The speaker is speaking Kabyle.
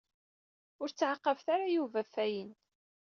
Ur ttɛaqabet ara Yuba ɣef ayen.